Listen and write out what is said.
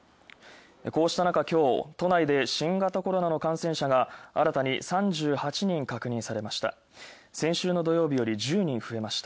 こうしたなか、きょう、都内で新型コロナの感染者が新たに３８人確認されました。